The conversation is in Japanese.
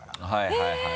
はいはい。